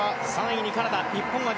３位にカナダ。